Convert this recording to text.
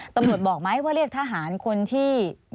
ตำรวจบอกไหมว่าเรียกทหารคนที่